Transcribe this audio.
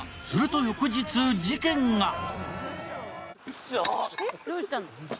すると翌日、事件が。